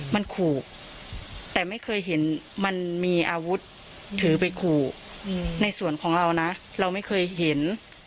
มันขู่แต่ไม่เคยเห็นมันมีอาวุธถือไปขู่ในส่วนของเรานะเราไม่เคยเห็น